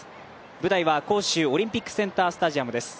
舞台は杭州オリンピックスポーツセンタースタジアムです。